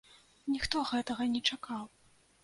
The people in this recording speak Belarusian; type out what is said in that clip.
Ніхто гэтага не чакаў.